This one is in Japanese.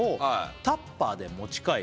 「タッパーで持ち帰り」